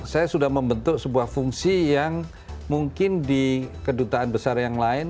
saya sudah membentuk sebuah fungsi yang mungkin di kedutaan besar yang lain